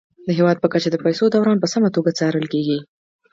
د هیواد په کچه د پيسو دوران په سمه توګه څارل کیږي.